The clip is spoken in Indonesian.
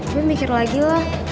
gue mikir lagi lah